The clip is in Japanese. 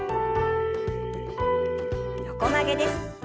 横曲げです。